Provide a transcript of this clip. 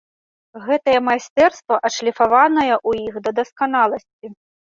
Гэтае майстэрства адшліфаванае ў іх да дасканаласці.